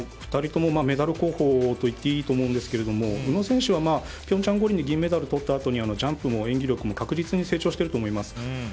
２人ともメダル候補と言っていいと思うんですけど宇野選手は平昌五輪で銀メダルをとったあとにジャンプも演技力も確実に成長してると思います。